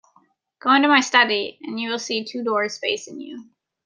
Go into my study, and you will see two doors facing you.